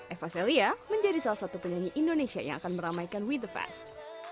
eva celia menjadi salah satu penyanyi indonesia yang akan meramaikan we the fest